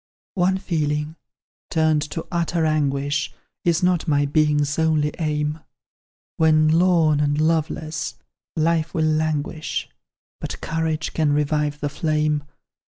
"One feeling turned to utter anguish, Is not my being's only aim; When, lorn and loveless, life will languish, But courage can revive the flame.